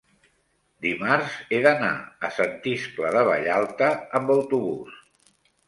dimarts he d'anar a Sant Iscle de Vallalta amb autobús.